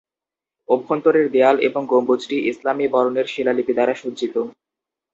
অভ্যন্তরের দেয়াল এবং গম্বুজটি ইসলামী বর্ণের শিলালিপি দ্বারা সজ্জিত।